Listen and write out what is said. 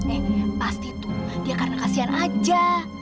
eh pasti tuh dia karena kasihan aja